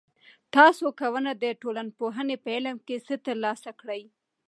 تاسو کونه د ټولنپوهنې په علم کې څه تر لاسه کړي؟